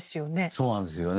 そうなんですよね。